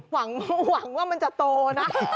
หวังว่ามันจะโตนะ